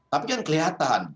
tapi kan kelihatan